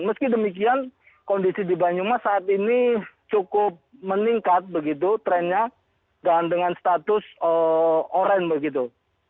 meski demikian kondisi di banyumas saat ini cukup meningkat begitu trennya dan dengan status orang begitu